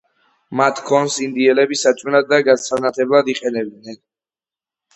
მათ ქონს ინდიელები საჭმელად და გასანათებლად იყენებდნენ.